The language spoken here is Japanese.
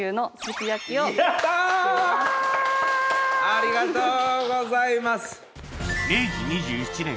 ありがとうございます。